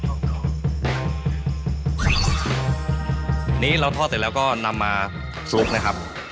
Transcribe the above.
อันนี้เราทอดเสร็จแล้วก็นำมาซุปนะครับ